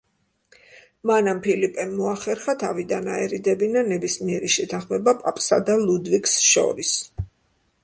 მანამ ფილიპემ მოახერხა თავიდან აერიდებინა ნებისმიერი შეთანხმება პაპსა და ლუდვიგს შორის.